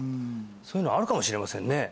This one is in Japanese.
そういうのあるかもしれませんねねえ